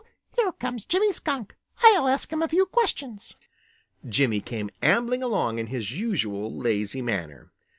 Here comes Jimmy Skunk. I'll ask him a few questions." Jimmy came ambling along in his usual lazy manner.